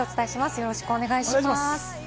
よろしくお願いします。